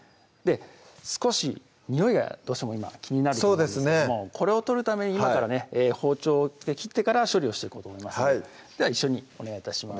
少しにおいがどうしても今気になると思うんですけどもこれを取るために今からね包丁で切ってから処理をしていこうと思いますのででは一緒にお願い致します